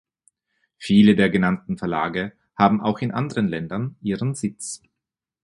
Viele der genannten Verlage haben auch in anderen Ländern ihren Sitz.